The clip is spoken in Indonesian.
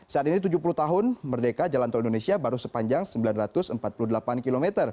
saat ini tujuh puluh tahun merdeka jalan tol indonesia baru sepanjang sembilan ratus empat puluh delapan km